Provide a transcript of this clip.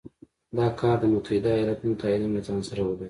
دا کار د متحدو ایالتونو تایید هم له ځانه سره ولري.